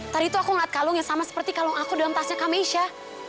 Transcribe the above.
tadi itu aku ngeliat kalung yang sama seperti kalung aku dalam tasnya kamesha